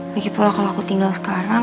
lagipula kalau aku tinggal sekarang